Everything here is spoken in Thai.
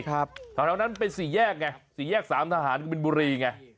ช่วงนั้นเป็น๔แยกไง๔แยก๓ทหารกับบิลบุรีไง